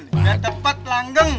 biar tepat langgeng